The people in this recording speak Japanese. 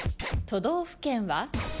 都道府県は？